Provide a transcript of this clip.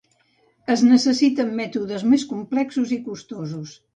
Es necessiten mètodes més complexos i costosos.